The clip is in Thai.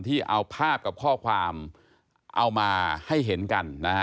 เอาภาพกับข้อความเอามาให้เห็นกันนะฮะ